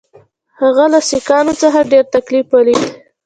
هغه له سیکهانو څخه ډېر تکلیف ولید.